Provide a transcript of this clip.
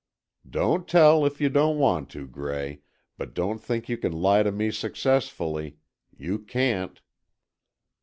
"Don't tell, if you don't want to, Gray, but don't think you can lie to me successfully. You can't."